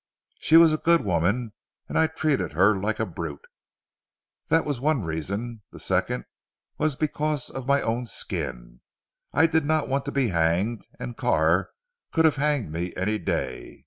She was a good woman and I treated her like a brute. That was one reason. The second was because of my own skin. I did not want to be hanged, and Carr could have hanged me any day.